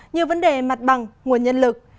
như vấn đề mặt bằng nguồn nhân lực